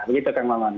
begitu kang maman